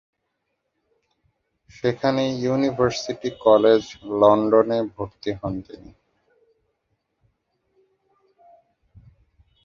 সেখানে university college লন্ডনে ভর্তি হন তিনি।